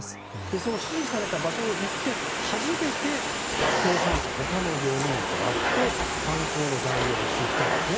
その指示された場所に行って初めて共犯者、他の４人と会って犯行の概要を知ったんですね。